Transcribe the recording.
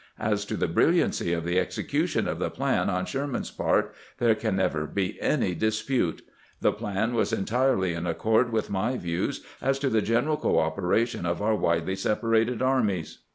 As to the brilliancy of the exe cution of the plan on Sherman's part there can never be any dispute. The plan was entirely in accord with my views as to the general cooperation of our widely separated armies."